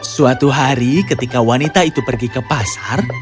suatu hari ketika wanita itu pergi ke pasar